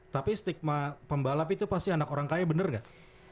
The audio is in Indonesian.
tapi stigma pembalap itu pasti anak orang kaya bener gak